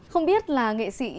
không biết là nghệ sĩ